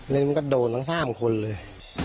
มันก็โดนทั้ง๓คนเลย